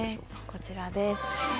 こちらです。